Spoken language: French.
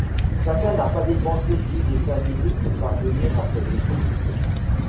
Chacun n'a pas dépensé plus de cinq minutes pour parvenir à cette position.